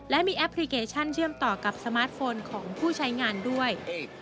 และมีแอปพลิเคชันเชื่อมต่อกับสมาร์ทโฟนของผู้ใช้งานด้วย